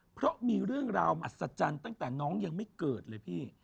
เพราะมีเรื่องราวมัศจรรย์ตั้งแต่น้องยังไม่เกิดเลยพี่